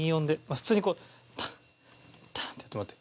普通にこうタンタンってやってもらって。